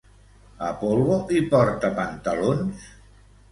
Apol·lo hi porta pantalons?